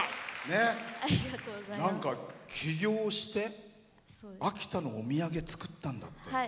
起業して秋田のお土産、作ったんだって？